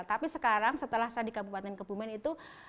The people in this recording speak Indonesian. tapi sekarang setelah saya di kabupaten kebumen itu